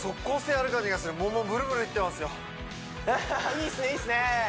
アハハッいいっすねいいっすね